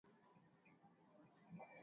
haraka kushinda sehemu nyingine za Dunia Eneo